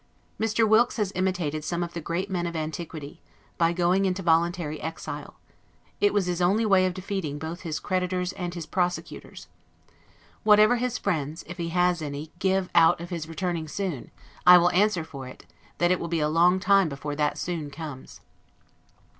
Mr. Wilkes has imitated some of the great men of antiquity, by going into voluntary exile: it was his only way of defeating both his creditors and his prosecutors. Whatever his friends, if he has any, give out of his returning soon, I will answer for it, that it will be a long time before that soon comes.